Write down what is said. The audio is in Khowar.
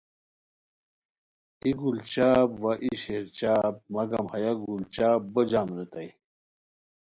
ای گل چاپ وا ای شیر چاپ، مگم ہیہ گل چاپ بوجم ریتائے